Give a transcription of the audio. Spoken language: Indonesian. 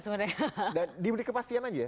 sebenarnya dan diberi kepastian aja